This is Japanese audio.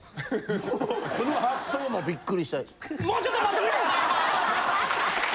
この発想もびっくりした。